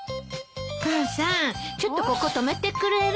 母さんちょっとここ留めてくれる。